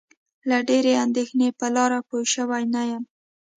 له ډېرې اندېښنې په لاره پوی شوی نه یم.